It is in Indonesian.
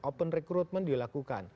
open recruitment dilakukan